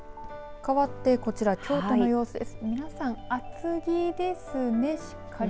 かわってこちら京都の様子です。